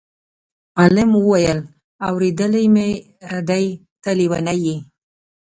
عالم وویل: اورېدلی مې دی ته لېونی یې.